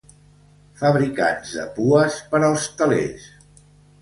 Fabricants de pues per als telers.